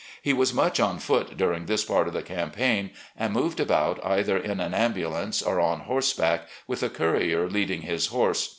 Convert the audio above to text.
He was much on foot during this part of the campaign, and moved about either in an ambulance or on horse back, with a courier leading his horse.